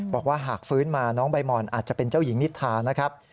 บอกว่าหากฟื้นมาน้องใบมอนอาจจะเป็นเจ้าหญิงนิทานะครับ